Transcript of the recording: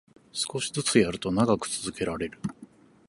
少しずつやると長く続けられる